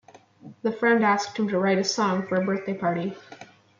The friend asked him to write a song for a birthday party.